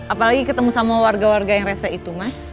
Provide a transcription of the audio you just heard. apalagi ketemu sama warga warga yang rese itu mas